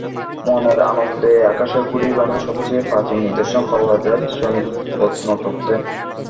মনের আনন্দে আকাশে ঘুড়ি ওড়ানোর সবচেয়ে প্রাচীন নিদর্শন পাওয়া যায় চৈনিক প্রত্নতত্ত্বে।